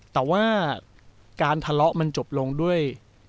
แต่ว่าการทะเลาะมันจบลงด้วย